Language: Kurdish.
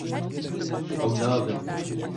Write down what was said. Ew nabin.